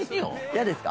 嫌ですか？